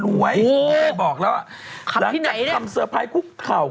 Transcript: โอ้โฮขับที่ไหนเนี่ยบอกแล้วว่าหลังจากทำเซอร์ไพรคุกข่าว